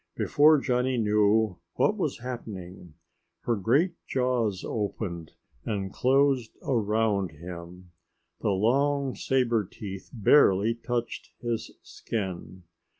Before Johnny knew what was happening, her great jaws opened and closed around him. The long sabre teeth barely touched his skin.